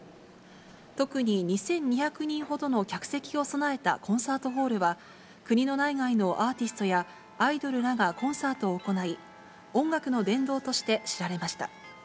特に２２００人ほどの客席を備えたコンサートホールは、国の内外のアーティストやアイドルらがコンサートを行い、音楽の殿堂として知られました。